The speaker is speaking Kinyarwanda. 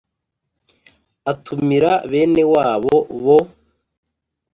atumira bene wabo bo